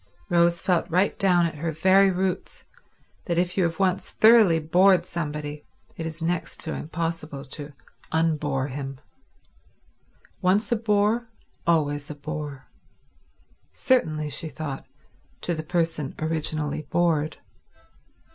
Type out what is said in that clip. Rose felt right down at her very roots that if you have once thoroughly bored somebody it is next to impossible to unbore him. Once a bore always a bore— certainly, she thought, to the person originally bored.